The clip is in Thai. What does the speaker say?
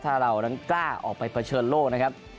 ถ้าเรานั้นกล้าออกไปเผชิญโลกนะครับ